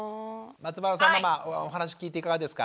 松原さんママお話聞いていかがですか？